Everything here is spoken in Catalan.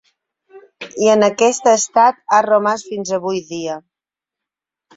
I en aquest estat a romàs fins avui dia.